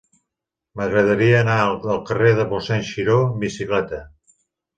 M'agradaria anar al carrer de Mossèn Xiró amb bicicleta.